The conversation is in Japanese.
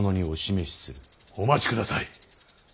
お待ちください。